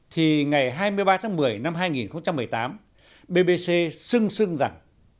thì ngày hai mươi ba tháng một mươi năm hai nghìn một mươi tám bbc xưng xưng rằng